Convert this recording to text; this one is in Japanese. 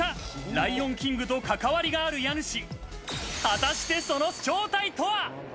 『ライオンキング』と関わりがある家主。